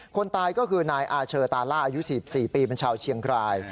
คนตายก็คือนายอาเชอตาล่าอายุ๔๔ปีเป็นชาวเชียงราย